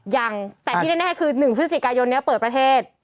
ยังแต่ที่แน่คือ๑พฤศจิกายนนี้เปิดประเทศ